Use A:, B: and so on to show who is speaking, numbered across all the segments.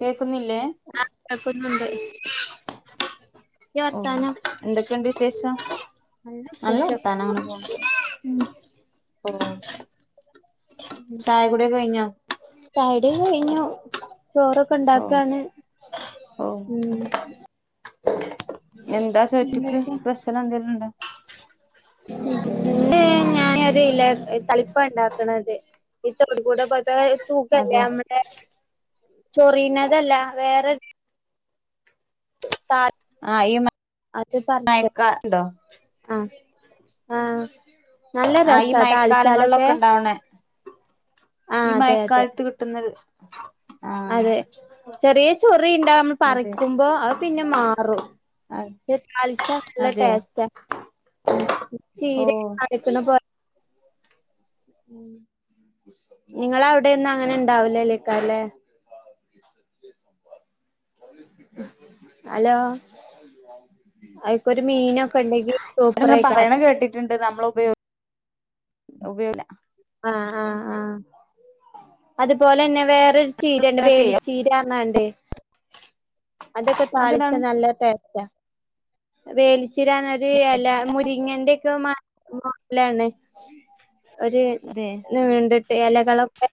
A: കേക്കുന്നില്ലേ
B: ആക്കുന്നുണ്ടായി.
A: ഓ എന്തൊക്കെയുണ്ട് വിശേഷം?
B: നല്ല
A: അല്ലോ
B: വിശേഷം
A: താന
B: ഉം
A: ചായ കുടി ഒകെ കഴിഞ്ഞ?
B: ചായ കുടി ഒകെ കഴിഞ്ഞു, ചോറ് ക്ക
A: ഓ
B: ഉണ്ടാക്കാണ്
A: ഓ
B: ഉ എന്തക്കെ?
A: ചില എന്തങ്കലുംണ്ടണ്ട്
B: ഉ ഞാനല തളിപ്പ ഉണ്ടാക്കണത് ഈ തൊട കൂടെ പോ തൂക്കല്ലേ
A: അതെ
B: നമ്മടെ ചൊറുന്നതല്ല വേറെ
A: ആ ഈ
B: അത് പറിച്ച
A: മയക്കാ ഉണ്ടോ
B: ആഹ ആഹ നല്ല
A: ആ
B: രസ
A: ഈ മയക്കാലങ്ങളിലൊക്കെ
B: താളിച്ചാലൊക്കെ
A: ഉണ്ടാവണേ
B: ആഹ്
A: ഈ
B: അതെ അതെ
A: മഴക്കാലത്ത് കിട്ടുന്നത്. ആഹ്
B: അതെ ചെറിയ ചൊറിിയുണ്ട നമ്മൾ
A: അതെ
B: പറിക്കുമ്പോ, അത് പിന്നെ മാറും.
A: അ
B: ിച്ച നല്ല
A: അതെ
B: ടേസ്റ്റ്
A: ഓ
B: ചീര നിങ്ങ അവിടെൊന്നും അങ്ങനെ ഉണ്ടാവലല്ലേക്കാല്ലെ.. ഹലോ, എനിക്കൊരു മീനൊക്കെ ഉണ്ടെങ്കി
A: ങ്ങനെ പറയണ കേട്ടിട്ടുണ്ട്, നമ്മൾ ഉപയ ഉപയോഗ
B: ആഹ ആഹ് ആഹ അതുപോലെന്നെ വേറ ഒരു ചീരണ്ട്
A: അതൊക്കെ
B: വേലി ചീരന്നണ്ട് അതൊക്കെ താളിച്ച
A: അതെന്താണ്
B: നല്ല ടേസ്റ്റാ. വേലിച്ചിര തന്നെ അല്ല മുരിങ്ങന്റെ ഒക്കെ മാ മലാണ് ഒരു
A: അതെ
B: ഇതിനു വേണ്ടിട്ട് ഇലകളൊക്കെ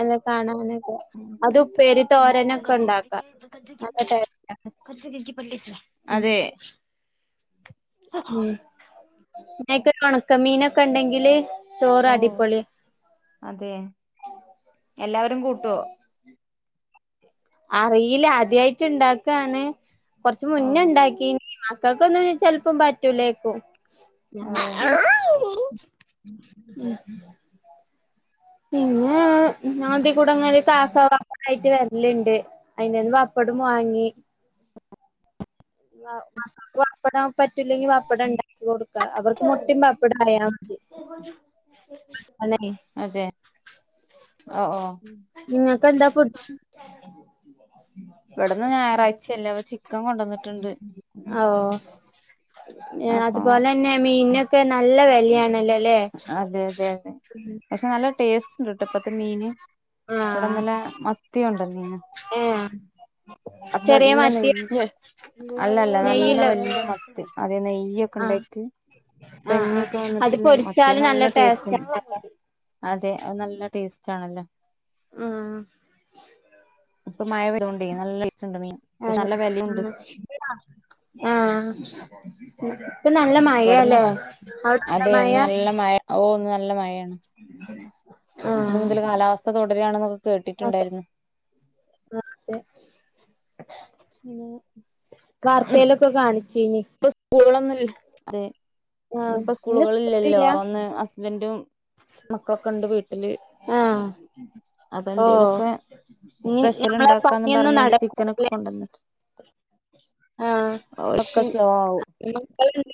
B: ഇല കാണാനൊക്കെ, അത് ഉപ്പേരി തോരനൊക്കെ ഉണ്ടാക്കാം. [unintelligible]
A: ിച്ചു
B: ഉം
A: അതെ..
B: ഉം മക്ക് ഉണക്ക മീനൊക്കെ ഉണ്ടെങ്കില് ചോറ് അടിപൊളി.
A: അതെ എല്ലാവരും കൂട്ടുവോ?
B: [unintelligible] അറിയില്ല ആദ്യായിട്ട് ഉണ്ടാക്കയാണ്, കൊറച്ച മുന്നേ
A: ഓഹ്
B: ഉണ്ടാക്കീ ക്ക ഒന്നും ചിലപ്പം പറ്റൂലേക്കോ.
A: ആ
B: ഉ ഉ പിന്നെ ഞാൻ അതിൽ കൂടെ ഇങ്ങനെ കാക്ക വാക്ക ആയിട്ട് വരലുണ്ട്. അയിന്ന്ത പപ്പടും വാങ്ങി വപ്പടാൻ പറ്റൂില്ലെങ്കിൽ വപ്പടം ഉണ്ട കൊടുക്ക അവർക്ക് മുട്ടി്പ അപ്പട അറിയാ മതി അെ
A: അതെ ഓ ഓ
B: നി കധാപുറത്തി
A: ഇവിടന്ന് ഞായറാഴ്ചയല്ല അവർ ചിക്കൻ കൊണ്ടുവന്നട്ട്
B: ഓ
A: അപ്പൊ
B: അതുപോലെ ന്നെ മീന ഒക്കെ നല്ല വല്യാണല്ലോല്ലേ
A: അതെ അതെ അതെ പക്ഷെ നല്ല ടേസ്റ്റ് ഉണ്ട്ട്ടൊ ഇപ്പത്തെ മീന്
B: ആഹ്
A: ഇവിടെന്നലെ മത്തി കൊ ണ്ടന്നീന്ന്‌
B: ഏഹ്
A: അപ്പൊ
B: ചെറിയ
A: ല്ല
B: മത്തി
A: നേയ്യ് അല്ല അല്ല നല്ല
B: നെയ്യില്ല
A: വല്യ മത്തി അതേ നെയ്യൊക്കെ ഉണ്ടായിട്ട്
B: ആ ആ
A: പെഞ്ഞൊക്കെ വന്നിട്ടില്ല മ ത്തി നല്ല ടേസ്റ്റാ
B: ആണല്ലോ
A: അതെ അത് നല്ല ടേസ്റ്റ് ആണല്ലോ
B: ഉമ്
A: ഇപ്പൊ മഴ വരോ ണ്ട് നല്ല ടേസ്റ്റ്‌ ണ്ട് മീൻ പക്ഷേ
B: അതെ
A: നല്ല വെ ലീ ണ്ട്
B: ആഹ് ആഹ് പ്പ നല്ല
A: ഇവിടന്ന്
B: മഴല്ലേ അവിട് ക് ണ്ടോ
A: അതെ
B: മഴ
A: ഇന്ന് നല്ല മഴ ഓ ന്ന് നല്ല മയാണ് ന്ന്
B: ആഹ്
A: മുതൽ കാലാവസ്ഥ തുടരുകയാണെന്നൊക്കെ കേട്ടിട്ടുണ്ടായിരുന്നു
B: [unintelligible] വാ ർ ത്തെ ലൊക്കെ കാണിചീ നി
A: പ്പൊ സ്കൂളുകളൊന്നുംല്ല അതെ ന്ന്‌
B: ആഹ്
A: പ്പൊ
B: ഇന്ന്
A: സ്കൂളുകളില്ലല്ലോ
B: സ്കൂളില്ല
A: അ അ ന്ന് ഹസ്ബന്റും മക്കൾ ക്കെ ഉണ്ട് വീട്ടില്
B: ആഹ്
A: അപ്പൊ
B: ഓഹ്
A: എന്തേലൊക്കെ
B: ഇനി
A: സ്പെഷ്യൽ
B: നമ്മളെ
A: ഉണ്ടാക്കാന്ന് പറ
B: പണിയൊന്നും
A: ഞാ ണ്ട് ചിക്കനൊ ക്കെ
B: നടക്കൂല
A: കൊണ്ടന്ന്‌
B: ആഹ്
A: [unintelligible]
B: ഉം
A: സ്ലോ ആവു
B: [unintelligible]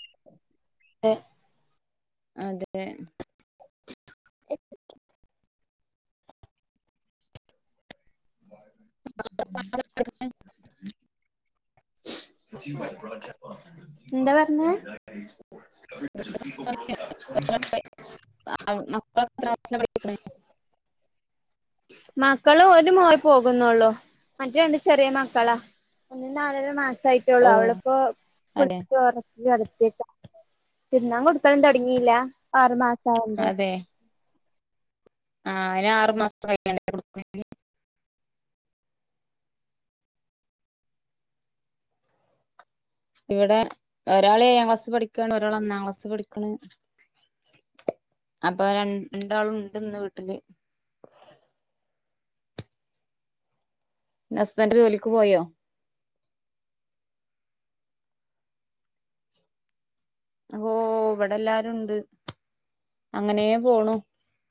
A: അതെ
B: [inaudible] ന്താ പർ ഞ് [inaudible]
A: മക്ല ത്ര ക്‌ളാസില പഠിക്ണ്
B: മക്കള് ഒരു മോൾ പോകുന്നൊ ള്ളു മറ്റേ രണ്ട് ചെറിയ മക്കളാ ഒന്നി നാലൊര മാസായ് ട്ടൊ ള്ളൂ
A: ഓ
B: അ വിളപ്പോ
A: അതെ
B: [unintelligible] [unintelligible] തിന്നാൻ കൊടുക്കലന്നും തുടങ്ങില്ല ആറു മാസ ആവണ്ടെ
A: അതെ ആ അയ്ന് ആറു മാസയ് ട്ടാ [unintelligible] ഇവിടെ ഒരാൾ ഏഴാം ക്ലാസ് പഠിക്കാണ് ഒരാൾ ഒന്നാം ക്ലാസ്സിൽ ൽ പഠിക്കുണു അപ്പൊ രണ്ടാളും ണ്ട്ന്ന് വീട്ടില് ഹസ്ബന്റ് ജോലിക്ക് പോയോ ഓ ഇ വടെല്ലാരുണ്ട് അങ്ങനേ പോണു